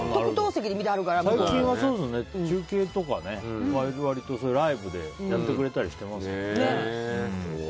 最近は中継とかライブでやってくれたりしてますよね。